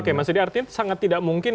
oke mas budi artinya sangat tidak mungkin